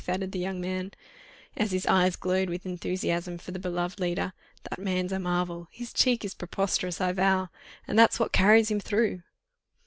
added the young man, as his eyes glowed with enthusiasm for the beloved leader, "that man's a marvel! His cheek is preposterous, I vow!—and that's what carries him through."